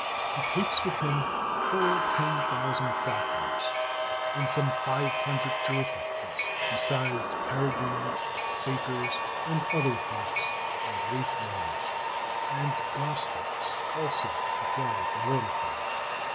He takes with him full ten thousand fal coners and some five hundred gerfalcons, besides pere grines, sakers, and other hawks in great numbers; and goshawks also to fly at the waterfowl.